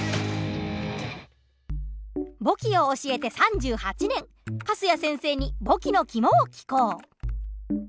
簿記を教えて３８年粕谷先生に簿記のキモを聞こう。